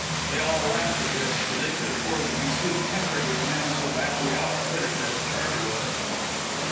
They all laughed at this, for they could afford to be sweet tempered with a man so badly outwitted as Charley was.